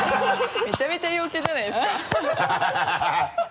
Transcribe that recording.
めちゃめちゃ陽キャじゃないですか